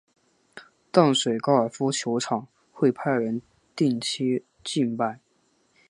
淡水高尔夫球场会派人定期祭拜。